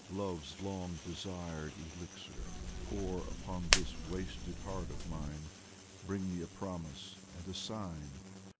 Love's long desired elixir, pour Upon this wasted heart of mine Bring me a promise and a sign